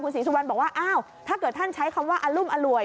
ศรีสุวรรณบอกว่าอ้าวถ้าเกิดท่านใช้คำว่าอรุมอร่วย